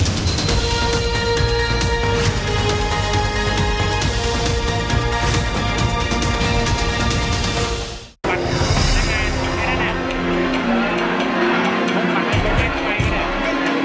โปรดติดตามตอนต่อไป